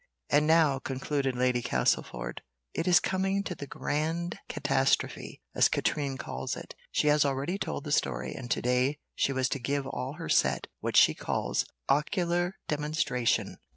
And now," concluded Lady Castlefort, "it is coming to the grand catastrophe, as Katrine calls it. She has already told the story, and to day she was to give all her set what she calls ocular demonstration.